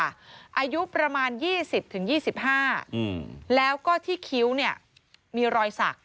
อายุประมาณ๒๐๒๕แล้วก็ที่คิ้วเนี่ยมีรอยสัก